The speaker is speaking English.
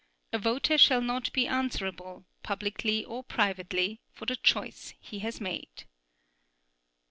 A voter shall not be answerable, publicly or privately, for the choice he has made.